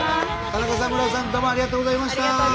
田中さん村尾さんどうもありがとうございました。